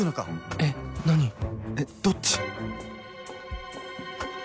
えっどっち？